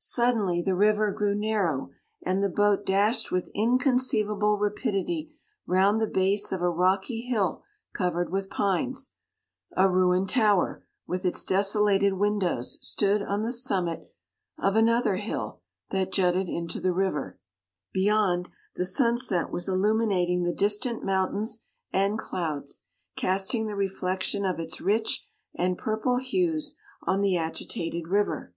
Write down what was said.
Suddenly the river grew narrow, and the boat dashed with inconceivable rapidity round the base of a rocky hill covered with pines ; a ruined tower, with its desolated win dows, stood on the summit of another hill that jutted into the river ; beyond, the sunset was illuminating the distant mountains and clouds, casting the re flection of its rich and purple hues on the agitated river.